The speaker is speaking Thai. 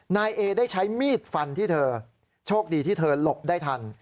นายเอได้ใช้มีดฟันที่เธอโชคดีที่เธอหลบได้ทัน